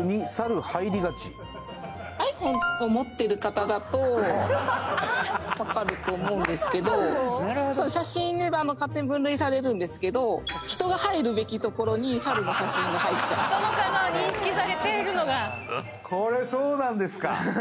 ｉＰｈｏｎｅを持ってる方だと分かると思うんですけど人が入るべきところにサルの写真が入っちゃう人の顔を認識されてるのがこれそうなんですか